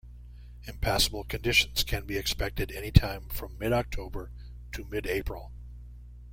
Impassable conditions can be expected any time from mid-October to mid-April.